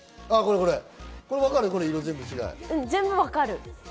全部分かる！